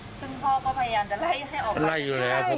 ซึ่งพ่อก็พยายามจะไล่ให้ออกไป